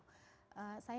saya merasakan itu